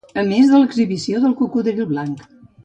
A més de l'exhibició del cocodril blanc.